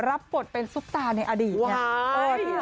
รับบทเป็นซุปตาในอดีตไง